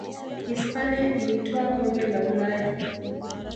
hispania ilitwaa kombe la ulaya